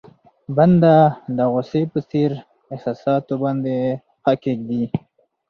بنده د غوسې په څېر احساساتو باندې پښه کېږدي.